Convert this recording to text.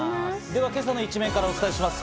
では、今朝の一面からお伝えします。